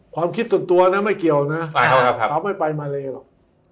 ความคิดส่วนตัวนะไม่เกี่ยวนะเขาไม่ไปมาเลหรอก